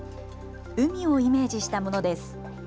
海をイメージしたものです。